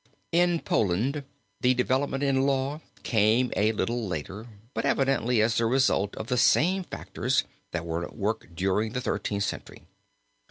In Poland the development in law came a little later but evidently as the result of the same factors that were at work during the Thirteenth Century.